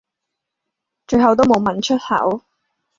最後都無問出口